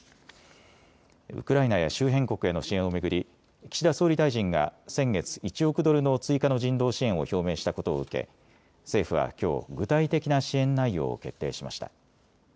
ウクライナや周辺国への支援を巡り、岸田総理大臣が先月１億ドルの追加の人道支援を表明したことを受け政府はきょう具体的な支援内容を決定しました。